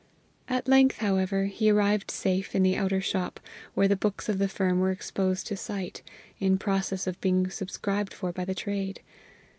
At length, however, he arrived safe in the outer shop, where the books of the firm were exposed to sight, in process of being subscribed for by the trade.